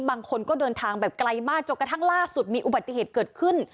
บางคนก็เดินทางแบบไกลมากจนกระทั่งล่าสุดมีอุบัติเหตุเกิดขึ้น